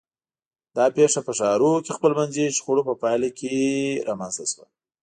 دا پېښه په ښارونو کې خپلمنځي شخړو په پایله رامنځته شوه.